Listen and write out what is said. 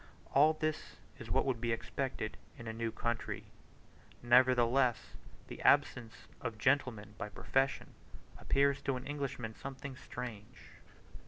All this is what would be expected in a new country; nevertheless the absence of gentlemen by profession appears to an Englishman something strange.